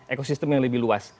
ekosistem yang lebih luas